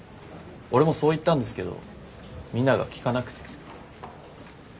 俺もそう言ったんですけどみんなが聞かなくて。